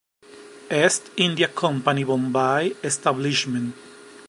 East India Company, Bombay establishment.